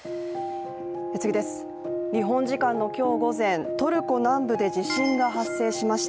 日本時間の今日午前、トルコ南部で地震が発生しました。